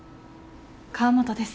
河本です。